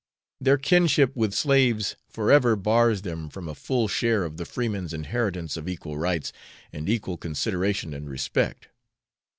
Their kinship with slaves for ever bars them from a full share of the freeman's inheritance of equal rights, and equal consideration and respect.